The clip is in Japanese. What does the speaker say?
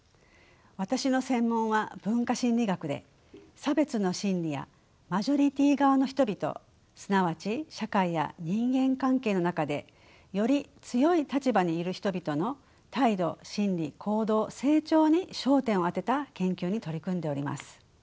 私の専門は文化心理学で差別の心理やマジョリティー側の人々すなわち社会や人間関係の中でより強い立場にいる人々の態度心理行動成長に焦点を当てた研究に取り組んでおります。